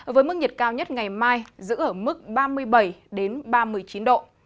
với mức nhiệt cao nhất ngày mai giữ ở mức ba mươi bảy ba mươi chín độ